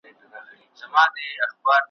غوړه مړۍ مي د خورکۍ ترستوني نه رسیږي ,